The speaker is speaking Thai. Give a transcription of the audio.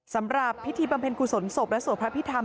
สำหรับพิธีบำเพ็ญครูสนศพและสวพพิธรรม